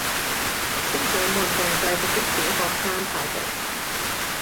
穿上運動制服的小學生跑步